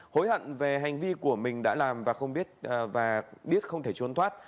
hối hận về hành vi của mình đã làm và biết không thể trốn thoát